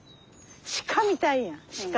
鹿みたいや鹿。